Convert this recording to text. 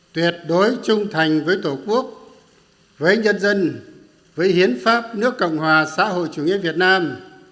tuyệt đối trung thành với tổ quốc với nhân dân với hiến pháp nước cộng hòa xã hội chủ nghĩa việt nam